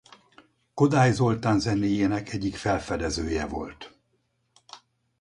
Kodály Zoltán zenéjének egyik felfedezője volt.